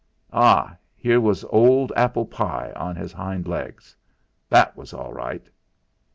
'Ah! here was 'old Apple pie' on his hind legs. That was all right!